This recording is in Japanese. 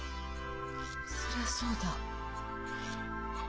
そりゃそうだ。